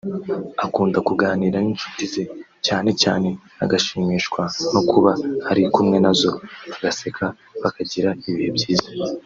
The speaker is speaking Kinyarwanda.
akunda kuganira n’ncuti ze cyane cyane agashimishwa no kuba ari kumwe nazo bagaseka bakagirana ibihe byiza